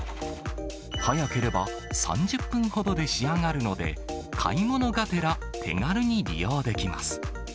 早ければ３０分ほどで仕上がるので、買い物がてら、手軽に利用できます。